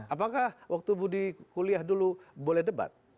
apakah waktu bu di kuliah dulu boleh debat